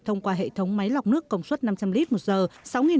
thông qua hệ thống máy lọc nước công suất năm trăm linh lít một giờ